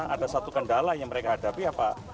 ada satu kendala yang mereka hadapi apa